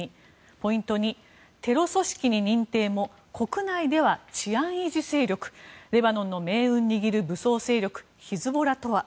ポイント２、テロ組織に認定も国内では治安維持勢力レバノンの命運握る武装勢力ヒズボラとは。